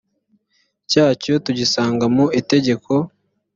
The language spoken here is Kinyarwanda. cyacyo tugisanga mu itegeko